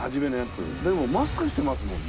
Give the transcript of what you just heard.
でもマスクしてますもんね。